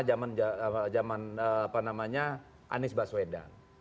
mau bandingkan aja lah zaman ahok sama zaman anies baswedan